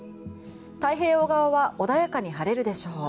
太平洋側は穏やかに晴れるでしょう。